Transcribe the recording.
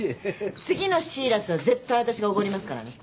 次のＳＩＲＡＳは絶対私がおごりますからね。